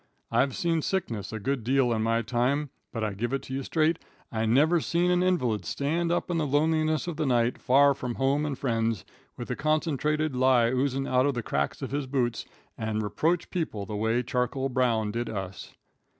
I've seen sickness a good deal in my time, but I give it to you straight I never seen an invalid stand up in the loneliness of the night, far from home and friends, with the concentrated lye oozin' out of the cracks of his boots, and reproach people the way Charcoal Brown did us.